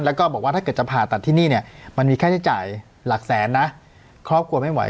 แล้วก็บอกว่าถ้าเกิดจะผ่าตัดที่นี่เนี่ยมันมีค่าใช้จ่ายหลักแสนนะครอบครัวไม่ไหว